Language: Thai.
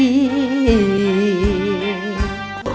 ร้องได้ให้ล้าน